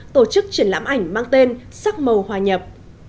tổ chức triển lãm ảnh mang tên sắc màu hòa nhập